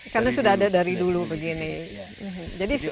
karena sudah ada dari dulu begini